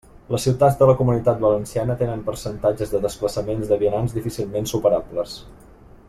Les ciutats de la Comunitat Valenciana tenen percentatges de desplaçaments de vianants difícilment superables.